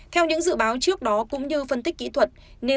theo những dự báo trước đó cũng như phân tích kỹ thuật